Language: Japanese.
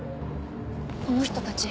この人たち。